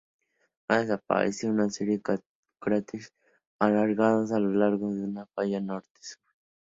Han aparecido una serie de cráteres alargados a lo largo de la falla norte-sur.